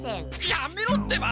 やめろってば！